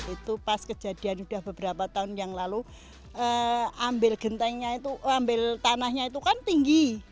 itu pas kejadian sudah beberapa tahun yang lalu ambil tanahnya itu kan tinggi